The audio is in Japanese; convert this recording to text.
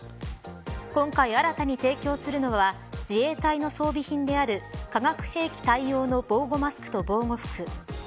今回、新たに提供するのは自衛隊の装備品である化学兵器対応の防護マスクと防護服